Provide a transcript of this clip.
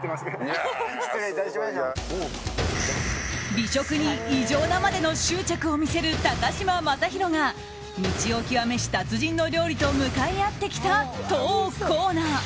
美食に異常なまでの執着を見せる高嶋政宏が道を極めし達人の料理と向かい合ってきた当コーナー。